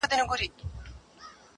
وماته دي وي خپل افغانستان مبارک~